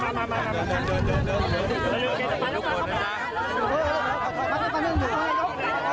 ฉันค่ะไม่ดีกว่า